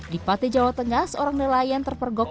di pati jawa tengah seorang nelayan terpergok